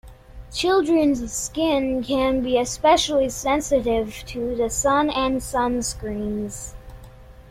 Children's skin can be especially sensitive to the sun and sunscreens.